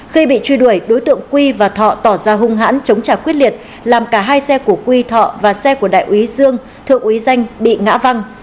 khi bị truy đuổi đối tượng quy và thọ tỏ ra hung hãn chống trả quyết liệt làm cả hai xe của quy thọ và xe của đại úy dương thượng úy danh bị ngã văng